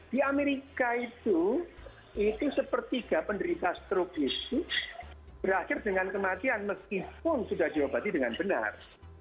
di amerika itu itu sepertiga penderita stroke itu berakhir dengan kematian meskipun sudah diobati dengan benar